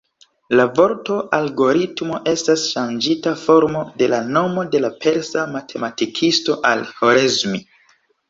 La vorto "algoritmo" estas ŝanĝita formo de la nomo de la persa matematikisto Al-Ĥorezmi.